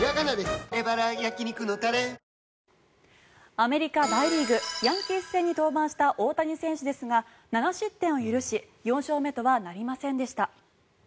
アメリカ大リーグヤンキース戦に登板した大谷選手ですが７失点を許し４勝目とはなりませんでした。